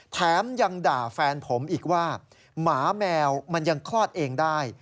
แถมยังด่าแฟนผมอีกว่าหมาแมวมันยังคลอดเองได้